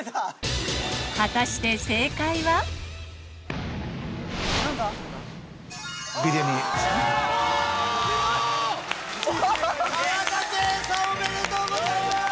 果たしておめでとうございます！